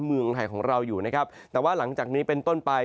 เมืองไทยของเราอยู่นะครับแต่ว่าหลังจากนี้เป็นต้นไป